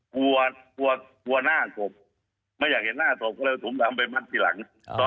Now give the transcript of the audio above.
กลัวกลัวหน้าศพไม่อยากเห็นหน้าศพก็เลยเอาถุงดำไปมัดทีหลัง